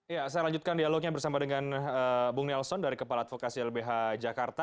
ya saya lanjutkan dialognya bersama dengan bung nelson dari kepala advokasi lbh jakarta